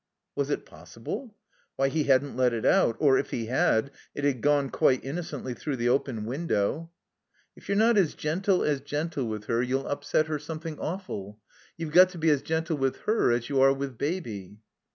Was it possible? (Why, he hadn't let it out, or, if he had, it had gone, quite innocently, through the open window.) "If you're not as gentle as gentle with her you'll THE COMBINED MAZE upset her something awful. YouVe got to be as gentle with her as you are with Baby."